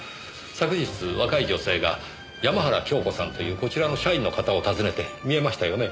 昨日若い女性が山原京子さんというこちらの社員の方を訪ねてみえましたよね？